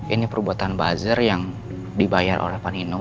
ini perbuatan bazar yang dibayar oleh panino pak